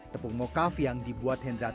tepung mokav yang dibuat hendrati